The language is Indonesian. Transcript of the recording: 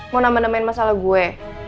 mau nambah nambahin masalah gue